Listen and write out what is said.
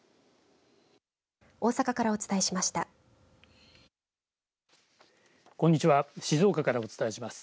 大阪からお伝えしました。